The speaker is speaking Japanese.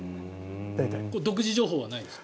独自情報はないですか？